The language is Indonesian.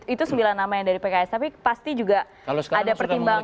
itu sembilan nama yang dari pks tapi pasti juga ada pertimbangan